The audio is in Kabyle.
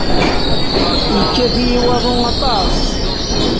Yekkat-iyi waḍu aṭas.